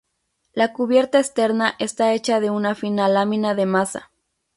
La cubierta externa está hecha de una fina lámina de masa.